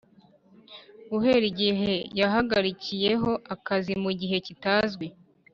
guhera igihe yahagarikiyeho akazi mu gihe kitazwi.